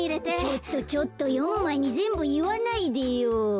ちょっとちょっとよむまえにぜんぶいわないでよ。